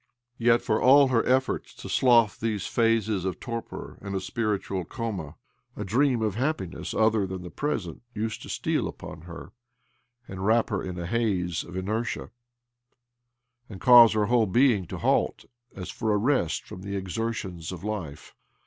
Yet, for all her efforts to slough these phases of torpor and of spiritual coma, д dream' of happiness other than the present used to steal upon her, and wrap her in a haze of inertia, and cause her whole being to halt, as for a rest from the exertions of life.